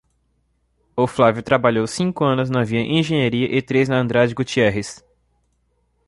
O Flávio trabalhou cinco anos na Via Engenharia e três na Andrade Gutierrez.